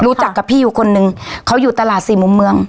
รู้จักกับพี่อยู่คนนึงเขาอยู่ตลาดสี่มุมเมือง